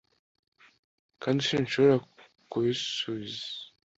Kandi sinshobora kubisubiza